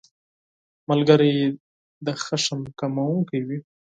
ملګری د غوسې کمونکی وي